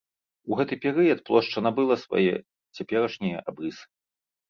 У гэты перыяд плошча набыла свае цяперашнія абрысы.